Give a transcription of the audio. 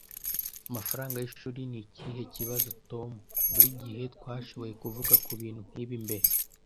amafaranga y'ishuri Ni ikihe kibazo, Tom? Buri gihe twashoboye kuvuga kubintu nkibi mbere